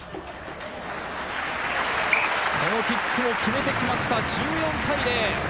このキックも決めてきました、１４対０。